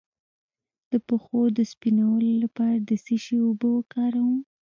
د پښو د سپینولو لپاره د څه شي اوبه وکاروم؟